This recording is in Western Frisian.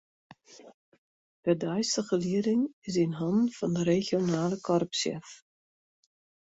De deistige lieding is yn hannen fan de regionale korpssjef.